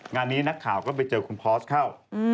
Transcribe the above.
งานนี้นักข่าวก็ไปเจอคุณพอสเข้า